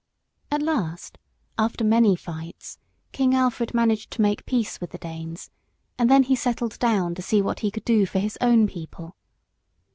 At last, after many fights, King Alfred managed to make peace with the Danes, and then he settled down to see what he could do for his own people.